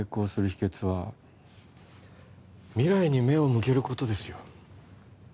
秘けつは未来に目を向けることですよ